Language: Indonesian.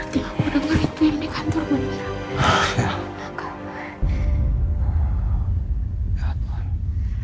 berarti aku udah ngerti yang di kantor beneran